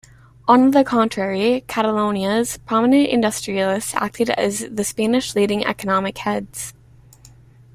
On the contrary, Catalonia's prominent industrialists acted as the Spanish leading economic heads.